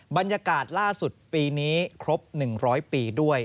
บรรยากาศล่าสุดปีนี้ครบ๑๐๐ปีด้วย